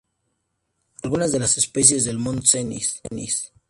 Algunas de las especies del ""Mont Cenis""